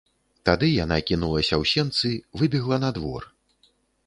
Тады яна кінулася ў сенцы, выбегла на двор.